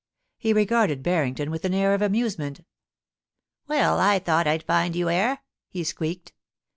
He regarded Harrington with an air of amuse ment. *Well, I thought as I'd find you 'ere,' he squeaked.